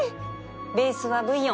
ベースはブイヨン